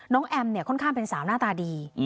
น้องแอมค่อนข้ามเป็นสาวหน้าตาดี